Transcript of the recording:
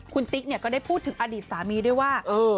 คุณติ๊กเนี่ยก็ได้พูดถึงอดีตสามีด้วยว่า